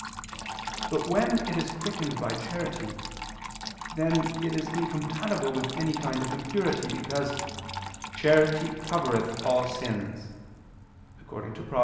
But when it is quickened by charity, then it is incompatible with any kind of impurity, because "charity covereth all sins" (Prov.